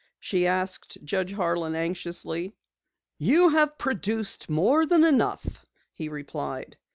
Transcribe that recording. she asked Judge Harlan anxiously. "You have produced more than enough," he replied.